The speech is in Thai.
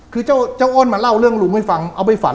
คือเจ้าอ้นมาเล่าเรื่องลุงให้ฟังเอาไปฝัน